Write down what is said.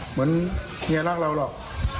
เหมือนเมียรักเราหรอก